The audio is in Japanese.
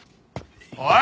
おい！